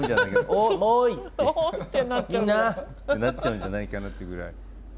「おい」って「みんな！」ってなっちゃうんじゃないかなっていうぐらい。